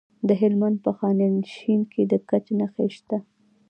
د هلمند په خانشین کې د ګچ نښې شته.